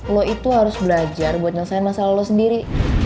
lo itu harus belajar buat nyelesain masalah lo sendiri